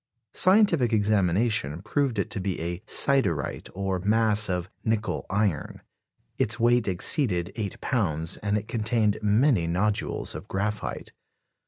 Scientific examination proved it to be a "siderite," or mass of "nickel iron"; its weight exceeded eight pounds, and it contained many nodules of graphite.